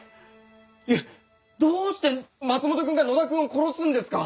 いやどうして松本君が野田君を殺すんですか？